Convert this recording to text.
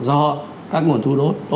do các nguồn thu tốt